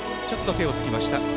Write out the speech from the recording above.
ちょっと手をつきました。